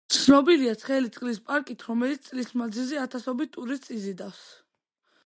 ცნობილია ცხელი წყლის პარკით, რომელიც წლის მანძილზე ათასობით ტურისტს იზიდავს.